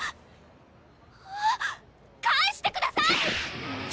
あっ返してください！